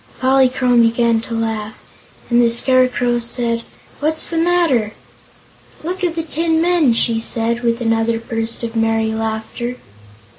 Polychrome began to laugh, and the Scarecrow said: "What's the matter?" "Look at the tin men!" she said, with another burst of merry laughter.